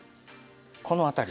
この辺り？